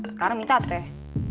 sekarang minta teh